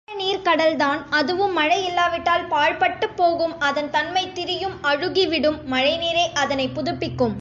ஆழநீர்க் கடல்தான் அதுவும் மழை இல்லாவிட்டால் பாழ்பட்டுப் போகும் அதன் தன்மை திரியும் அழுகிவிடும் மழைநீரே அதனைப் புதுப்பிக்கும்.